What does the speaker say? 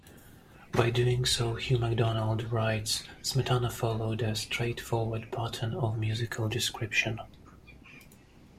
By doing so, Hugh Macdonald writes, Smetana followed "a straightforward pattern of musical description".